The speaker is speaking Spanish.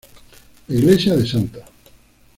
La iglesia de Sta.